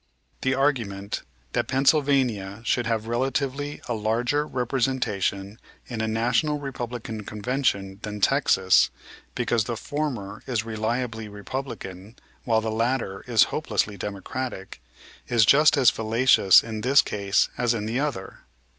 The argument that Pennsylvania should have relatively a larger representation in a National Republican Convention than Texas, because the former is reliably Republican while the latter is hopelessly Democratic, is just as fallacious in this case as in the other.